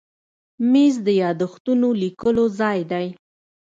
مېز د یاداښتونو لیکلو ځای دی.